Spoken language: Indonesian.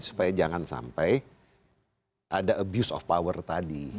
supaya jangan sampai ada abuse of power tadi